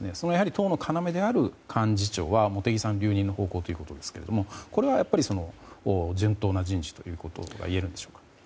党の要である幹事長は、茂木さん留任の方向ということですけどこれは順当な人事といえるんでしょうか。